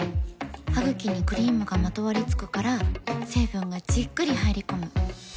ハグキにクリームがまとわりつくから成分がじっくり入り込む。